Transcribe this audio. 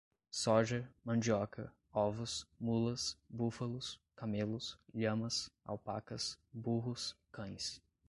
soja, mandioca, ovos, mulas, búfalos, camelos, lhamas, alpacas, burros, cães